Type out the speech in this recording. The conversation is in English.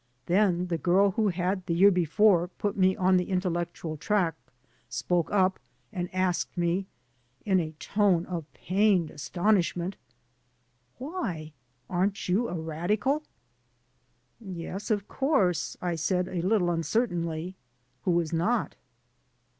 Then the girl who had the year before put me on the intellectual track spoke up and asked me, in a tone of pained astonishment: "Why, aren't you a radical?" "Yes, of course," I said, a little uncertainly. "Who is not?"